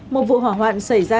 một vụ hỏa hoạn xảy ra